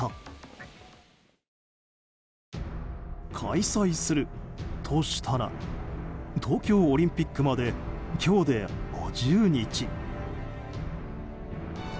開催するとしたら東京オリンピックまで今日で５０日。